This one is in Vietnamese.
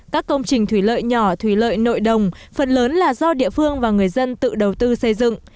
các công trình thủy lợi nhỏ thủy lợi nội đồng phần lớn là do địa phương và người dân tự đầu tư xây dựng